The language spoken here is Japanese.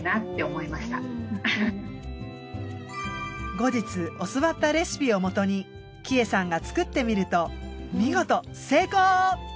後日教わったレシピをもとに貴恵さんが作ってみると見事成功！